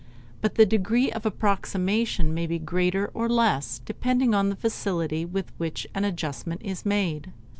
But the degree of approximation may be greater or less, depending on the facility with which an adjustment is made.